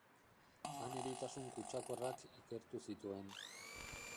Han eritasun kutsakorrak ikertu zituen.